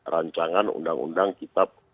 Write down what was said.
rancangan undang undang kitab